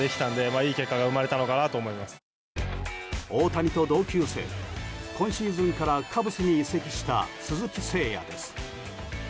大谷と同級生で今シーズンからカブスに移籍した鈴木誠也です。